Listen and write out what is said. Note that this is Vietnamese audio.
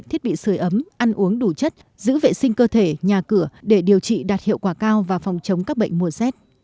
thiết bị sửa ấm ăn uống đủ chất giữ vệ sinh cơ thể nhà cửa để điều trị đạt hiệu quả cao và phòng chống các bệnh mùa rét